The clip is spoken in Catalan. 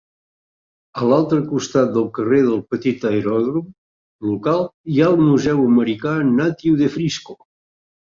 A l'altre costat del carrer del petit aeròdrom local, hi ha el Museu Americà Natiu de Frisco.